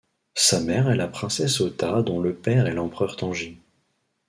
Sa mère est la princesse Ōta dont le père est l'empereur Tenji.